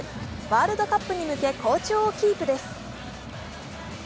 ワールドカップに向け好調をキープです。